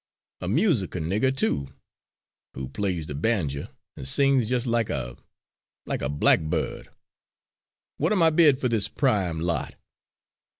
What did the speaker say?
A musical nigger, too, who plays the banjo, an' sings jus' like a like a blackbird. What am I bid for this prime lot?"